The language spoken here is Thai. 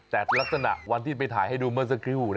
แต่ลักษณะวันที่ไปถ่ายให้ดูเมื่อสักครู่